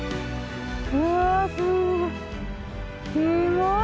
うわぁすごい。